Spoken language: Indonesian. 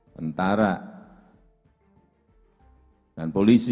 pentara dan polisi